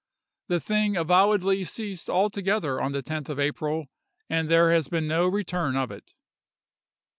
The thing avowedly ceased altogether on the 10th of April, and there has been no return of it.